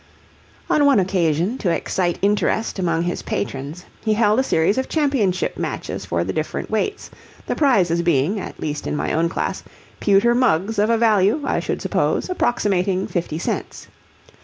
On one occasion, to excite interest among his patrons, he held a series of "championship" matches for the different weights, the prizes being, at least in my own class, pewter mugs of a value, I should suppose, approximating fifty cents.